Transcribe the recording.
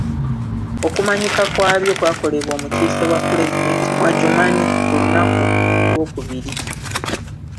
Okumanyika kwabyo kwakolebwa omukiise wa ppulezidenti mu Adjumani ku lunaku lw'okubiri.